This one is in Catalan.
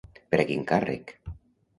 Per a quin càrrec?